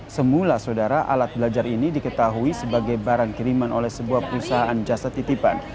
semula saudara alat belajar ini diketahui sebagai barang kiriman oleh sebuah perusahaan jasa titipan